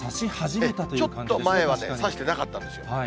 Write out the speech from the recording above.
ちょっと前はね、差してなかったんですよ。